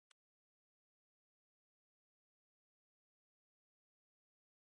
Sed tion atestas ĉiuj kronikoj.